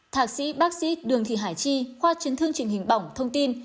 thạc sĩ bác sĩ đường thị hải chi khoa chấn thương trình hình bỏng thông tin